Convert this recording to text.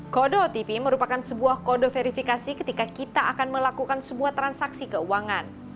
kode otp merupakan sebuah kode verifikasi ketika kita akan melakukan semua transaksi keuangan